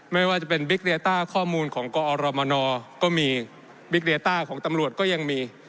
ไม่ว่าจะเป็นบิ๊กเลต้าข้อมูลของกอรมนก็มีบิ๊กเลต้าของตำรวจก็ยังมี